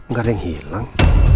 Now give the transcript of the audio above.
gak ada yang hilang